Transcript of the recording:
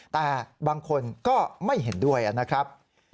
แต่บางคนก็ไม่เห็นด้วยนะครับ